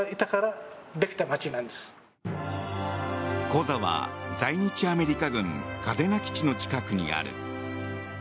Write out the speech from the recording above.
コザは在日アメリカ軍嘉手納基地の近くにある。